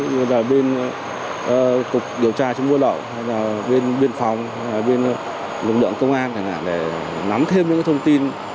như là bên cục điều tra chứng mua lậu bên phòng bên lực lượng công an để nắm thêm những thông tin